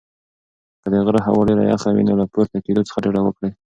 که د غره هوا ډېره یخه وي نو له پورته کېدو څخه ډډه وکړئ.